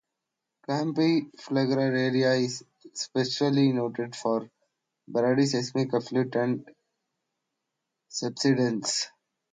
Campi Flegrei area is especially noted for bradyseismic uplift and subsidence.